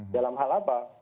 dalam hal apa